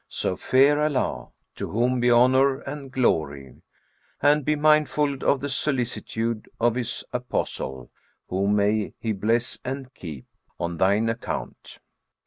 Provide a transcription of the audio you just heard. So fear Allah (to whom be honour and glory!) end be mindful of the solicitude of His Apostle (whom may He bless and keep!) on thine account.'